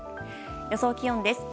予想気温です。